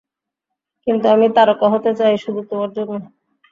কিন্তু আমি তারকা হতে চাই শুধু তোমার জন্য।